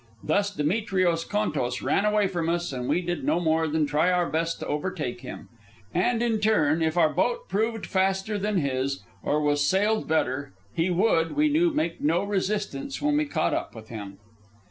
Thus Demetrios Contos ran away from us, and we did no more than try our best to overtake him; and, in turn, if our boat proved faster than his, or was sailed better, he would, we knew, make no resistance when we caught up with him.